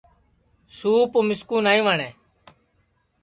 سُوپ مِسکُو نائیں وٹؔیں